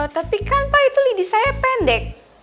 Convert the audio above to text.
tapi kan pak itu lidi saya pendek